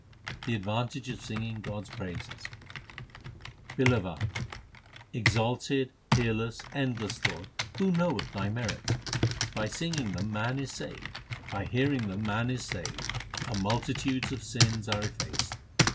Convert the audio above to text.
The advantage of singing God s praises : BILAWAL Exalted, peerless, endless Lord, who knoweth Thy merits ? By singing them man is saved ; by hearing them man is saved, and multitudes of sins are effaced.